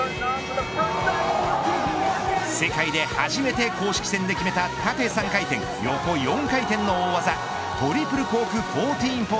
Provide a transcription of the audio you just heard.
世界で初めて公式戦で決めた縦３回転、横４回転の大技トリプルコーク１４４０。